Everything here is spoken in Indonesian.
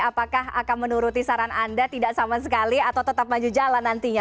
apakah akan menuruti saran anda tidak sama sekali atau tetap maju jalan nantinya